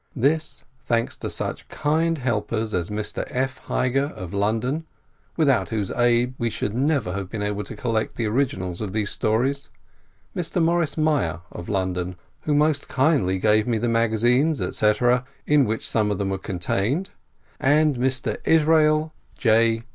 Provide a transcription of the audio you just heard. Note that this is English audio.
This, thanks to such kind helpers as Mr. F. Hieger, of London, without whose aid we should never 'have been able to collect the originals of these stories, Mr. Morris Meyer, of London, who most kindly gave me the magazines, etc., in which some of them were contained, and Mr. Israel J.